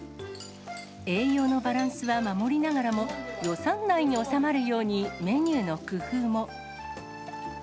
栄養のバランスは守りながらも、予算内に収まるように、メニューの工夫も。